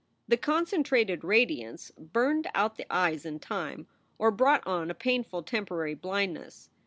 The concentrated radiance burned out the eyes in time, or brought on a painful temporary blindness.